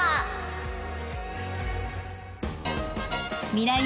［ミライ☆